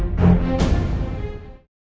saya akan beri dukungan kepada anda